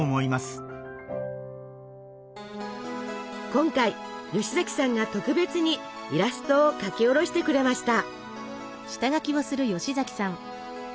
今回吉崎さんが特別にイラストを描き下ろしてくれました。